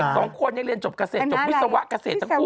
สองคนเรียนจบเกษตรจบวิศวะเกษตรทั้งคู่